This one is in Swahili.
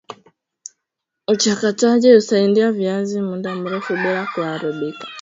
Uchakataji husaidia viazi muda mrefu bila kuharibika